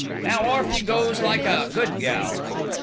Now orf you goes like a good gal."